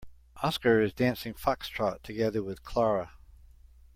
Oscar is dancing foxtrot together with Clara.